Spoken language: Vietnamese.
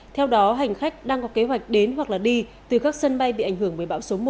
theo đó hành khách đang có kế hoạch đến hoặc đi từ các sân bay bị ảnh hưởng bởi bão số một